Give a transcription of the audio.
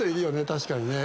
確かにね。